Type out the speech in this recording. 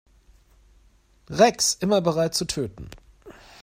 Rex, immer bereit zu töten.